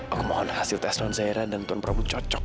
aku mohon hasil tes non zahira dan ton probut cocok